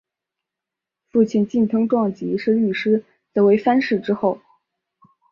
父亲近藤壮吉是律师则为藩士之后。